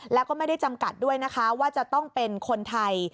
แล้วก็ไม่ได้จำกัดด้วยนะคะว่าจะต้องเป็นคนไทย